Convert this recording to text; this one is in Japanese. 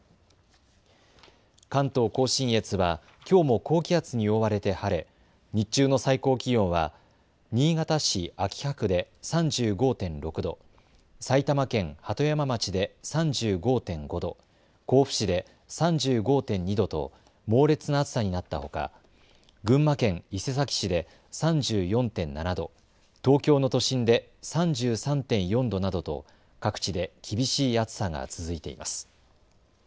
関東甲信越はきょうも高気圧に覆われて晴れ、日中の最高気温は新潟市秋葉区で３５．６度、埼玉県鳩山町で３５．５度、甲府市で３５．２度と猛烈な暑さになったほか、群馬県伊勢崎市で３４．７度、東京の都心で３３．４度などと各地で厳しい暑さが続いています。